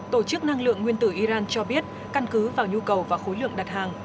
tổ chức năng lượng nguyên tử iran cho biết căn cứ vào nhu cầu và khối lượng đặt hàng